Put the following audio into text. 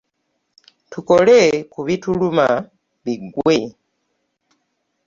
Tukole ku bituluma biggwe.